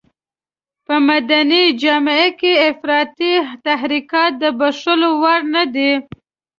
په مدني جامه کې افراطي تحرکات د بښلو وړ نه دي.